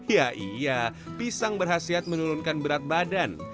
ya iya pisang berhasil menurunkan berat badan